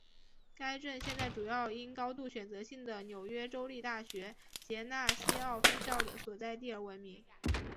该镇现在主要因高度选择性的纽约州立大学杰纳西奥分校的所在地而闻名。